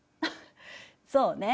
そうね。